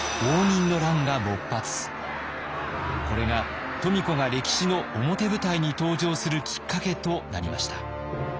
これが富子が歴史の表舞台に登場するきっかけとなりました。